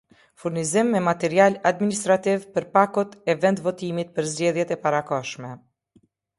Furnizim me material administrativ për pakot e vendvotimit për zgjedhjet e parakohshme